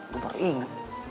gua baru inget